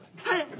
はい。